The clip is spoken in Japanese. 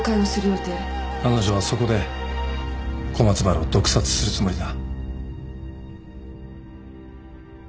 彼女はそこで小松原を毒殺するつもりだ。